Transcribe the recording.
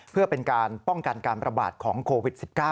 เพื่อเป็นการป้องกันการประบาดของโควิด๑๙